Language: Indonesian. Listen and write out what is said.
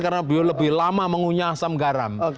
karena beliau lebih lama mengunya asam garam